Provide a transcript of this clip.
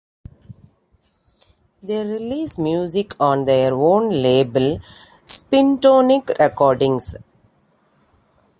They release music on their own label, Spintonic Recordings.